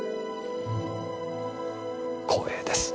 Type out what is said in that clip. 光栄です。